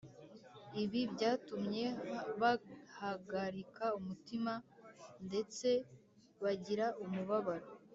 . Ibi byatumye bahagarika umutima ndetse bagira umubabaro